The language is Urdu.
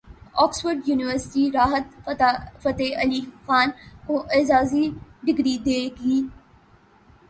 اکسفورڈ یونیورسٹی راحت فتح علی خان کو اعزازی ڈگری دے گی